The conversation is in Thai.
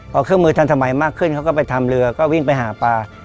พอเครื่องมือทันสมัยมากขึ้นเขาก็ไปทำเรือก็วิ่งไปหาปลา